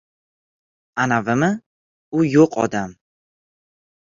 — Anavimi, u yo‘q odam!